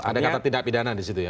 ada kata tindak pidana disitu ya